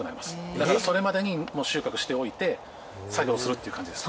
だからそれまでに収穫しておいて作業するっていう感じです。